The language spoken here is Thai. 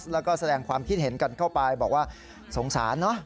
แล้วก็แสดงความคิดเห็นกันเข้าไปบอกว่าสงสารเนอะ